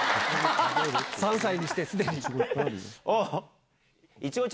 ３歳にして既に。